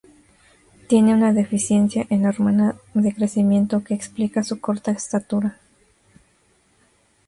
Tiene una deficiencia en la hormona de crecimiento que explica su corta estatura.